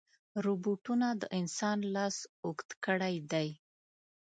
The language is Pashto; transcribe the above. روبوټونه د انسان لاس اوږد کړی دی.